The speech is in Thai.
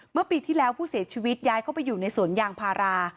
เมื่อปีที่แล้วผู้เสียชีวิตย้ายเข้าไปอยู่ในสวนยางพารา